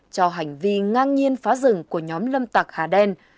cho hành vi ngang nhiên phá rừng của nhóm lâm tặc hà đen